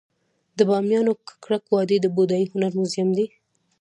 د بامیانو ککرک وادي د بودايي هنر موزیم دی